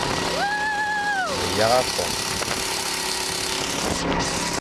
Me yagha kon,